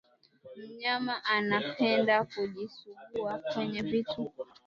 Mnyama anapenda kujisugua kwenye vitu